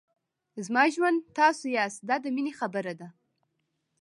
زما ژوند تاسو یاست دا د مینې خبره ده.